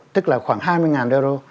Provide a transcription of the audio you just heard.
tức là khoảng hai mươi euro